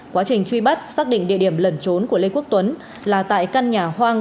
quá trình truy bắt xác định địa điểm lẩn trốn của lê quốc tuấn là tại căn nhà hoang